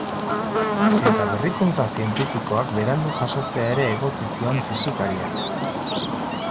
Eta berrikuntza zientifikoak berandu jasotzea ere egotzi zion fisikariak.